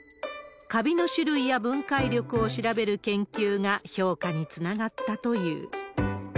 カビの種類や分解力を調べる研究が評価につながったという。